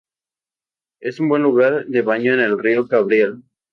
Es un buen lugar de baño en el río Cabriel.